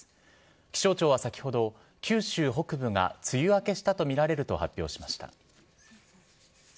気象庁は先ほど、九州北部が梅雨明けしたと見られると発表しました。